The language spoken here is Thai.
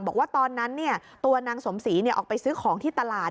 บอกว่าตอนนั้นตัวนางสมศรีออกไปซื้อของที่ตลาด